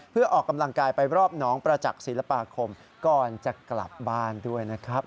เพื่อออกกำลังกายไปรอบน้องประจักษ์ศิลปาคมก่อนจะกลับบ้านด้วยนะครับ